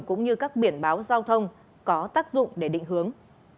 cũng như các biển báo giao thông có tác dụng để định hướng